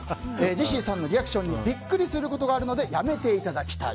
ジェシーさんのリアクションにビックリすることがあるのでやめていただきたい。